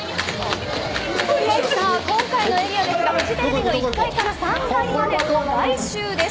今回のエリアですがフジテレビの１階から３階までの外周です。